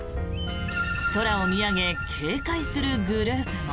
空を見上げ警戒するグループも。